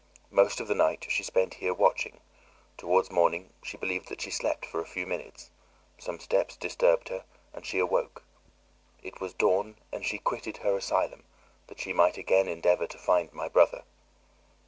Most of the night she spent here watching; towards morning she believed that she slept for a few minutes; some steps disturbed her, and she awoke. It was dawn, and she quitted her asylum, that she might again endeavour to find my brother.